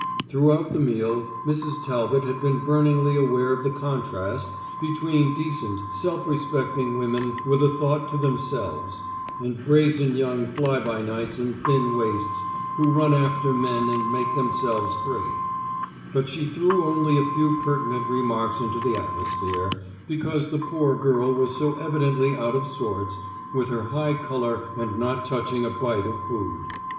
Throughout the meal Mrs. Talbot had been burningly aware of the contrast between decent, self respecting women with a thought to themselves, and brazen young fly by nights in thin waists, who run after men and make themselves free; but she threw only a few pertinent remarks into the atmosphere, because the poor girl was so evidently out of sorts, with her high color and not touching a bite of food.